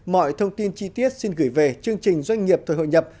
mọi thông tin chi tiết xin gửi về chương trình doanh nghiệp thời hội nhập